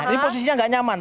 ini posisinya gak nyaman